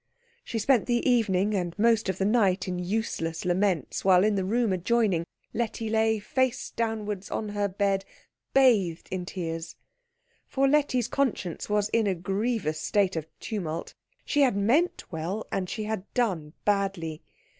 She spent the evening and most of the night in useless laments, while, in the room adjoining, Letty lay face downwards on her bed, bathed in tears. For Letty's conscience was in a grievous state of tumult. She had meant well, and she had done badly.